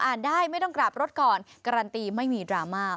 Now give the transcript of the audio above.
ได้ไม่ต้องกลับรถก่อนการันตีไม่มีดราม่า